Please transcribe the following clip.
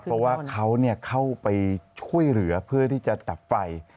เพราะว่าเขาเข้าไปช่วยเหลือเพื่อที่จะดับไฟ